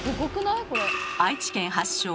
愛知県発祥。